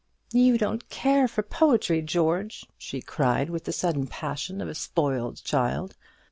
"You don't care for the poetry, George," she cried, with the sudden passion of a spoiled child.